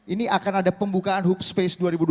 ini akan ada pembukaan hub space dua ribu dua puluh